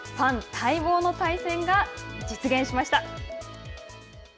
ファン待望の対戦が実現しました。